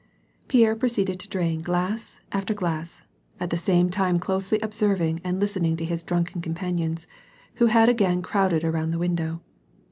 Pierre proceeded to drain glass after glass, at the same time closely observing and listening to his drunken companions, who had again cit)wded around the window.